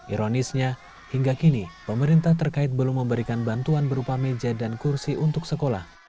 ironisnya hingga kini pemerintah terkait belum memberikan bantuan berupa meja dan kursi untuk sekolah